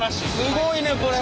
すごいねこれ。